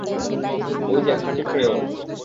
ঐ যে খাঁটি ক্রেওল।